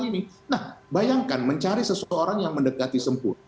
nah bayangkan mencari seseorang yang mendekati sempurna